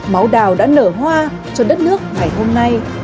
máu đào đã nở hoa cho đất nước hải hôn nay